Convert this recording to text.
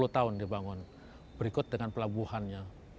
tiga puluh tahun dibangun berikut dengan pelabuhannya